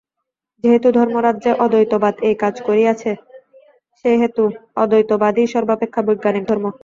যেহেতু ধর্মরাজ্যে অদ্বৈতবাদ এই কাজ করিয়াছে, সেই হেতু অদ্বৈতবাদই সর্বাপেক্ষা বৈজ্ঞানিক ধর্ম।